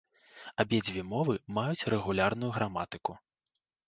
Абедзве мовы маюць рэгулярную граматыку.